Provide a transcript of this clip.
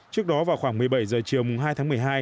trước đó vào khoảng một mươi bảy h chiều hai tháng một mươi hai